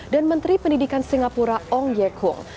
dan menteri pendidikan singapura ong ye kung